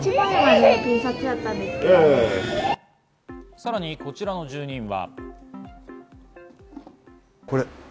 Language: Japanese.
さらにこちらの住人は。